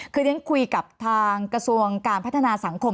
คือเรียนคุยกับทางกระทรวงการพัฒนาสังคม